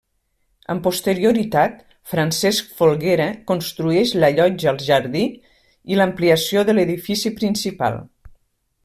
Amb posterioritat, Francesc Folguera construeix la llotja al jardí i l'ampliació de l'edifici principal.